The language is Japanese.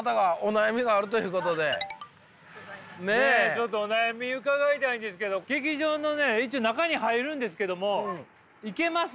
ちょっとお悩み伺いたいんですけど劇場の一応中に入るんですけども行けます？